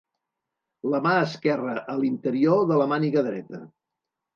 La mà esquerra a l'interior de la màniga dreta.